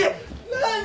何？